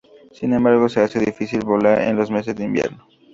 Sin embargo, se hace difícil volar en los meses de invierno.